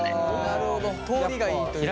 なるほど通りがいいというか。